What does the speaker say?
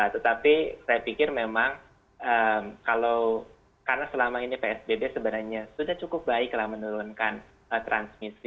tetapi saya pikir memang karena selama ini psbb sebenarnya sudah cukup baiklah menurunkan transmisi